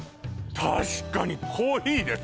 確かにコーヒーです